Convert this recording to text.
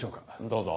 どうぞ。